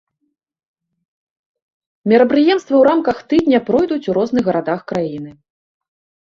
Мерапрыемствы ў рамках тыдня пройдуць у розных гарадах краіны.